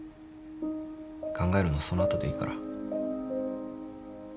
考えるのはその後でいいから。